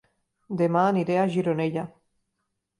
Dema aniré a Gironella